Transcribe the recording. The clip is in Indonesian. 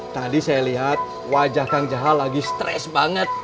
tadi saya lihat wajah kang jahal lagi stress banget